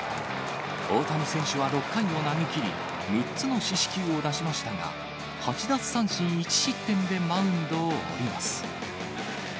大谷選手は６回を投げきり、６つの四死球を出しましたが、８奪三振１失点でマウンドをおります。